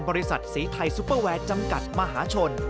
บริษัทสีไทยซุปเปอร์แวร์จำกัดมหาชน